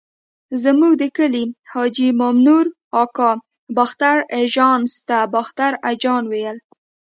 زموږ د کلي حاجي مامنور اکا باختر اژانس ته باختر اجان ویل.